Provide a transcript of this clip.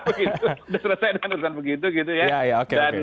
sudah selesai dengan urusan begitu gitu ya